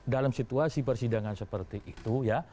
dalam situasi persidangan seperti itu ya